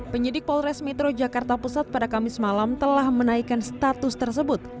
penyidik polres metro jakarta pusat pada kamis malam telah menaikkan status tersebut